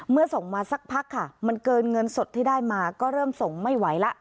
ส่งมาสักพักค่ะมันเกินเงินสดที่ได้มาก็เริ่มส่งไม่ไหวแล้ว